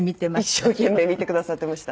一生懸命見てくださってました。